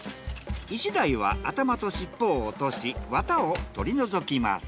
イシダイは頭と尻尾を落としワタを取り除きます。